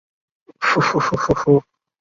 妖洱尺蛾为尺蛾科洱尺蛾属下的一个种。